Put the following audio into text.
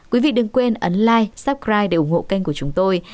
quý vị đừng quên ấn like subscribe để ủng hộ kênh của chúng tôi